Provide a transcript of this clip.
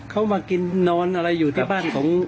เขามากินนอนอะไรอยู่ที่บ้านของ